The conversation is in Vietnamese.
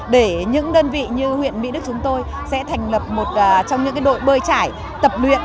để những đơn vị như huyện mỹ đức chúng tôi sẽ thành lập một trong những đội bơi trải tập luyện